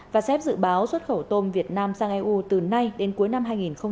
và sep dự báo xuất khẩu tôm việt nam sang eu từ nay đến cuối năm hai nghìn một mươi chín